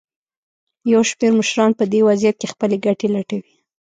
یو شمېر مشران په دې وضعیت کې خپلې ګټې لټوي.